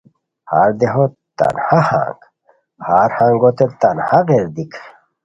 ہر دیہو تنہا ہنگ ہر ہنگوت تنہا غیردیک